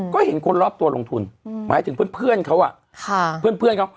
ก็เห็นคนรอบตัวลงทุนอืมหมายถึงเพื่อนเพื่อนเขาอ่ะค่ะ